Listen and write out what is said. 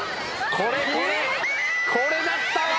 これだったわ！